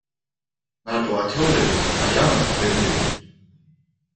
მარტო ათეულებით, აი, ამას ვერ მივიღებთ.